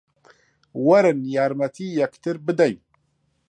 وەرن یارمەتی یەکتر بدەین